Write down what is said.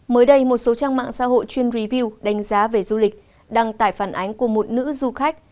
mới đây một số trang mạng xã hội chuyên review đánh giá về du lịch đăng tải phản ánh của một nữ du khách